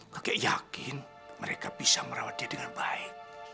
kakek yakin mereka bisa merawat dia dengan baik